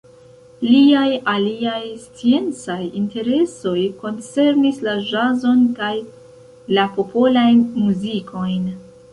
Liaj aliaj sciencaj interesoj koncernis la ĵazon kaj la popolajn muzikojn.